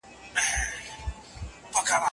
تل د حقایقو پلټنه وکړئ.